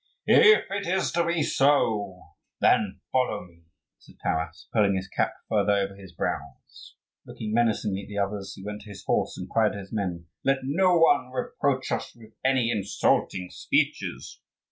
"If it is to be so, then follow me," said Taras, pulling his cap farther over his brows. Looking menacingly at the others, he went to his horse, and cried to his men, "Let no one reproach us with any insulting speeches.